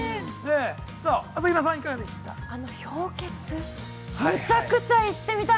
さあ、朝比奈さん、いかがでした？